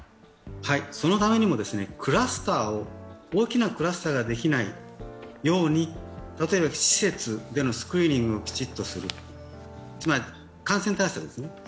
そのためにもクラスターを大きなクラスターができないように例えば施設でのスクリーニングをきちんとする、つまり、感染対策ですね。